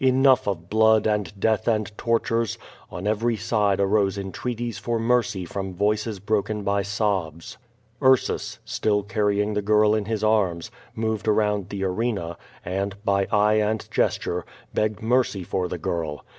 Enough of blood and death and tortures! On every side arose entreaties for mercy from voices broken by sobs. * Ursus, still carrying the girl in his arms, moved around the? i arena, and, by eye and gesture, begged mercy for the girl.